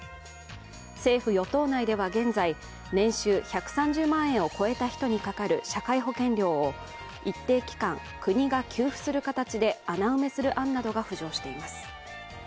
政府・与党内では現在年収１３０万円を超えた人にかかる社会保険料を一定期間、国が給付する形で穴埋めする案などが浮上しています。